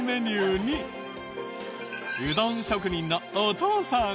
うどん職人のお父さん